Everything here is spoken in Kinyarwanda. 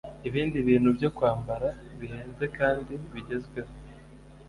ibindi bintu byo kwambara bihenze kandi bigezweho